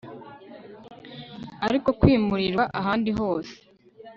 ariko kwimurirwa ahandi hose